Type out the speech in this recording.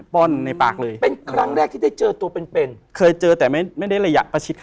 อ๋อป้อนเลย